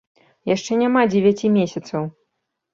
Яшчэ няма дзевяці месяцаў.